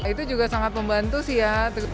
itu juga sangat membantu sih ya